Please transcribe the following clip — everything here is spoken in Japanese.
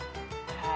はい。